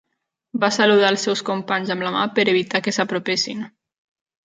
Va saludar els seus companys amb la mà per evitar que s'apropessin.